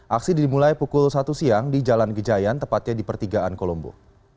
aksi dimulai pukul satu siang di jalan gejayan tepatnya di pertigaan kolombo